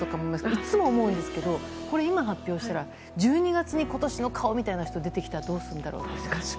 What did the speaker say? いつも思いますけど今発表したら１２月に今年の顔みたいな人が出てきたらどうするんだろう？